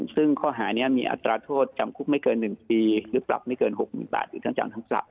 ซึ่งข้อหานี้มีอัตราโทษจำคุกไม่เกิน๑ปีหรือปรับไม่เกิน๖๐๐๐บาทหรือทั้งจำทั้งปรับ